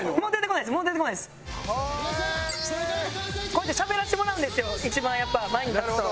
「こうやってしゃべらせてもらうんですよ一番やっぱ前に立つと」